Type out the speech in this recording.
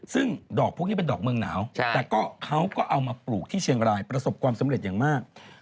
ซึ่งดอกพวกนี้เป็นดอกเมืองหนาวแต่ก็เขาก็เอามาปลูกที่เชียงรายประสบความสำเร็จอย่างมาก